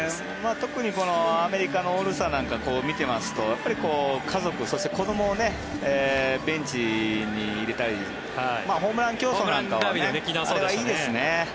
特にアメリカのオールスターなんかを見てますと家族、そして子どもをベンチに入れたりホームラン競争なんかはあれはいいですね。